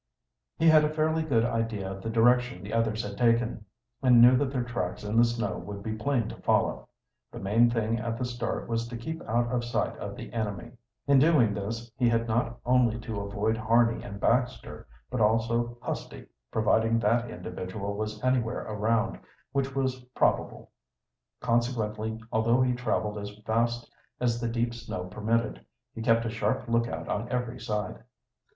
He had a fairly good idea of the direction the others had taken, and knew that their tracks in the snow would be plain to follow. The main thing at the start was to keep out of sight of the enemy. In doing this, he had not only to avoid Harney and Baxter, but also Husty, providing that individual was anywhere around, which was probable. Consequently, although he traveled as fast as the deep snow permitted, he kept a sharp lookout on every side.